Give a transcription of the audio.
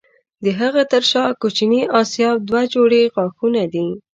د هغه تر شا کوچني آسیاب دوه جوړې غاښونه دي.